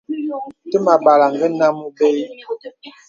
Təmà àbālaŋ ngə nám óbə̂ ï.